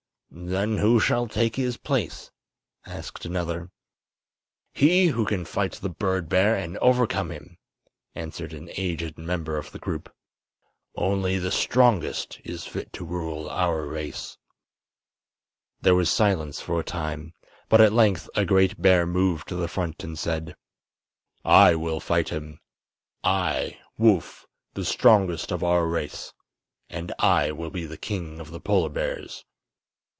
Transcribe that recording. "Then who shall take his place?" asked another. "He who can fight the bird bear and overcome him," answered an aged member of the group. "Only the strongest is fit to rule our race." There was silence for a time, but at length a great bear moved to the front and said: "I will fight him; I—Woof—the strongest of our race! And I will be King of the Polar Bears."